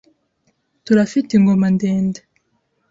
Turafite ingoma ndende